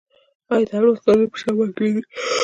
آیا د الماس کانونه په شمال کې نه دي؟